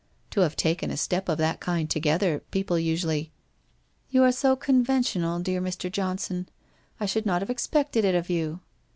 To have taken a step of that kind together, people usually '' You are so conventional, dear Mr. Johnson. I should not have expected it of you!